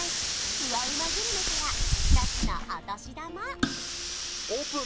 フワうまグルメから２つのお年玉オープン！